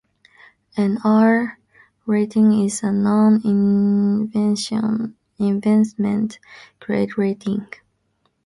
An 'R' rating is a non-investment grade rating.